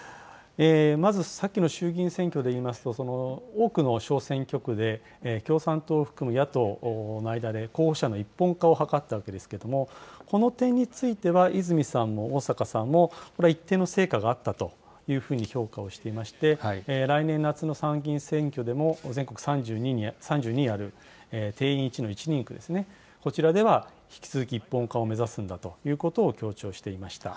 まず、先の衆議院選挙でいいますと、多くの小選挙区で、共産党を含む野党の間で候補者の一本化を図ったわけですけれども、この点については、泉さんも逢坂さんも、これは一定の成果があったというふうに評価をしていまして、来年夏の参議院選挙でも、全国３２ある定員１の１人区ですね、こちらでは引き続き一本化を目指すんだということを強調していました。